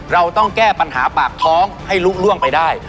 เราต้องแก้ปัญหาปากท้องให้ลุกล่วงไปได้